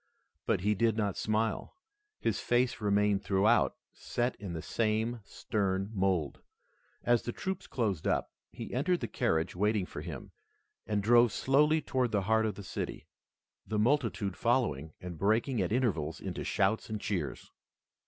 But he did not smile. His face remained throughout set in the same stern mold. As the troops closed up, he entered the carriage waiting for him, and drove slowly toward the heart of the city, the multitude following and breaking at intervals into shouts and cheers.